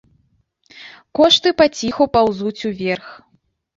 Кошты паціху паўзуць уверх.